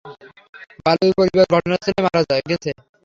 বালুর পরিবার ঘটনাস্থলেই মারা গেছে।